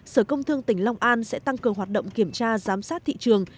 sở công thương tỉnh long an sẽ tăng cường hoạt động kiểm tra giám sát thị trường